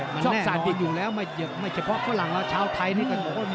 มันแน่นอนอยู่แล้วไม่เฉพาะฝรั่งชาวไทยนี่ก็โม้ยชอบ